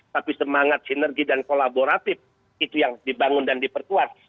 tapi semangat sinergi dan kolaboratif itu yang dibangun dan diperkuat